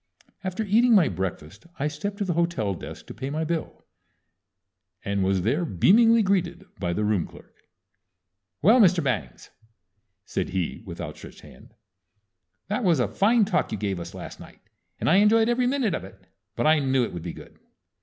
After eating my breakfast I stepped to the hotel desk to pay my bill, and was there beamingly greeted by the room clerk. "Well, Mr. Bangs," said he, with outstretched hand, "that was a fine talk you gave us last night, and I enjoyed every minute of it. But I knew it would be good."